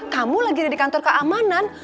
kamu lagi ada di kantor keamanan